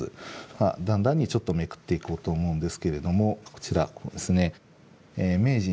だんだんにちょっとめくっていこうと思うんですけれどもこちら明治